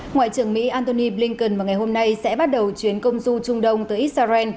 ngoại trưởng mỹ antony blinken vào ngày hôm nay sẽ bắt đầu chuyến công du trung đông tới israel